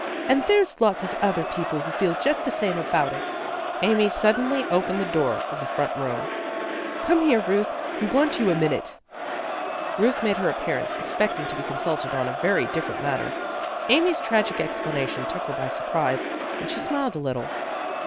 And there's lots of other people who feel just the same about it." Amy suddenly opened the door of the front room. " Come here, Ruth, we want you a minute." Ruth made her appearance, expecting to be consulted on a very different matter. Amy's tragic explanation took her by surprise, and she smiled a little.